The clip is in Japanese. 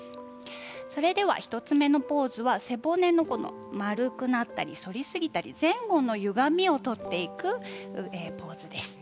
それでは１つ目のポーズは背骨の丸くなったり反りすぎたり前後のゆがみを取っていくポーズです。